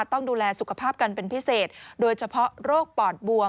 ต้องดูแลสุขภาพกันเป็นพิเศษโดยเฉพาะโรคปอดบวม